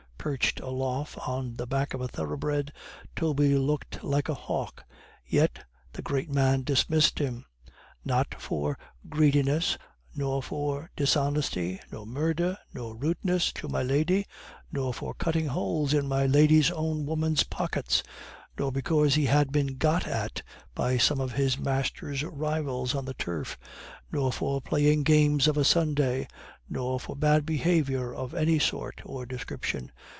Perched aloft on the back of a thoroughbred, Joby looked like a hawk. Yet the great man dismissed him. Not for greediness, not for dishonesty, nor murder, nor rudeness to my lady, nor for cutting holes in my lady's own woman's pockets, nor because he had been 'got at' by some of his master's rivals on the turf, nor for playing games of a Sunday, nor for bad behavior of any sort or description.